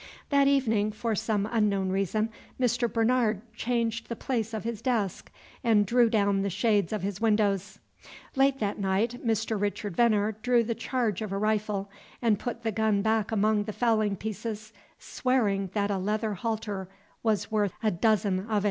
That evening, for some unknown reason, Mr. Bernard changed the place of his desk and drew down the shades of his windows. Late that night Mr. Richard Venner drew the charge of a rifle, and put the gun back among the fowling pieces, swearing that a leather halter was worth a dozen of it.